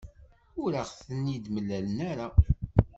Ur aɣ-ten-id-mlan ara.